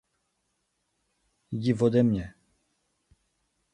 Jdi vode mě!